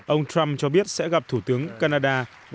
ông trump cho biết sẽ gặp thủ tướng canada và tổng thống mỹ